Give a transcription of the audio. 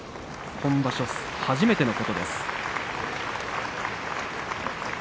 今場所、初めてのことです。